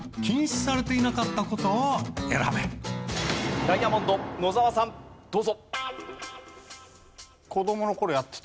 ダイヤモンド野澤さんどうぞ。